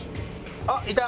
あっいた！